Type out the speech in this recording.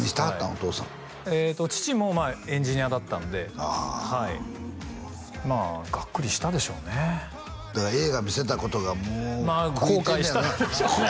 お父さん父もエンジニアだったんではいまあがっくりしたでしょうねだから映画見せたことがもうまあ後悔したでしょうね